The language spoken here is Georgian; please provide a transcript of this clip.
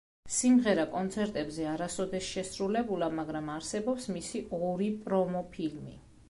სიმღერა კონცერტებზე არასოდეს შესრულებულა, მაგრამ არსებობს მისი ორი პრომო ფილმი.